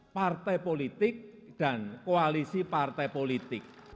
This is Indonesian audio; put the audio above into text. partai politik dan koalisi partai politik